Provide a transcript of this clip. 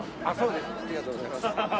あっそうですね。